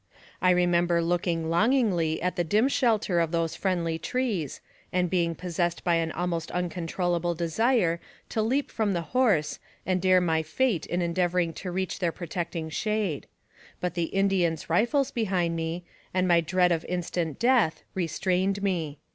I remember looking longingly at the dim shelter of these friendly trees, and being possessed by an almost uncontrollable desire to leap from the horse and dare my fate in endeavoring to reach their protecting shade; 5 50 NARRATIVE OF CAPTIVITY but the Indians' rifles behind me, and my dread of instant death, restrained me.